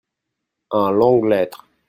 un longue lettre.